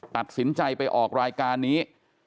ตัดสินใจไปออกรายการนี้